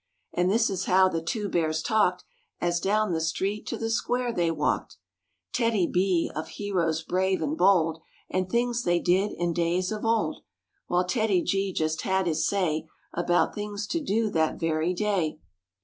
And this is how the two Bears talked Wf As down the street to the Square they walked: wk ww mr TEDDY B of heroes brave and bold And things they did in days of old; While TEDDY G just had his say About things to do that very day.